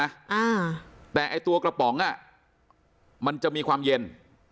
อ่าแต่ไอ้ตัวกระป๋องอ่ะมันจะมีความเย็น